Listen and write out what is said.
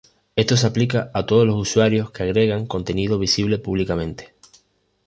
Esto se aplica a todos los usuarios que agregan contenido visible públicamente.